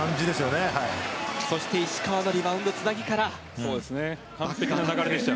そして石川のリバウンドのつなぎから。